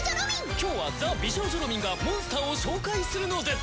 今日はザ・美少女ロミンがモンスターを紹介するのです。